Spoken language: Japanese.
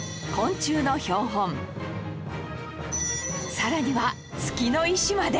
さらには月の石まで